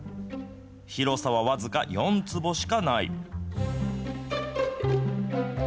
広さは僅か４坪しかない。